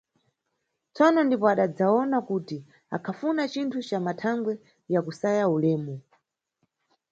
Tsono ndipo adadzawona kuti akhafuna cinthu ca mathangwe ya kusaya ulemu.